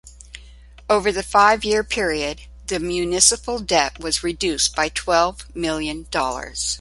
Over the five-year period, the municipal debt was reduced by twelve million dollars.